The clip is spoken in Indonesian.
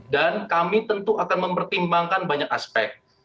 dan kami tentu akan mempertimbangkan banyak aspek